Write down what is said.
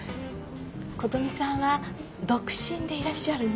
琴美さんは独身でいらっしゃるの？